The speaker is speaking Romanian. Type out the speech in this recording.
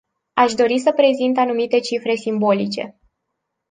Aș dori să prezint anumite cifre simbolice.